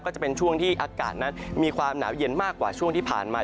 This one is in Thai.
ก็จะเป็นช่วงที่อากาศนั้นมีความหนาวเย็นมากกว่าช่วงที่ผ่านมา